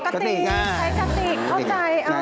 กะติกใช้กะติกเข้าใจ